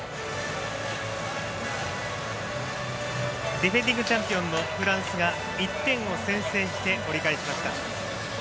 ディフェンディングチャンピオンのフランスが１点を先制して折り返しました。